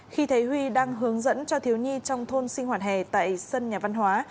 khi thấy huy đang hướng dẫn cho thiếu nhi trong thôn sinh hoạt hè tại sân nhà văn hóa